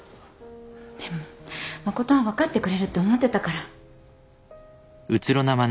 でも誠は分かってくれるって思ってたから。